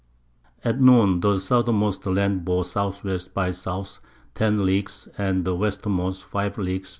At Noon the Southermost Land bore S. W. by S. 10 Leagues, and the Westermost 5 Leagues.